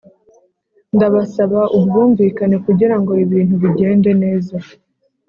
ndabasaba ubwumvikane kugirango ibintu bigende neza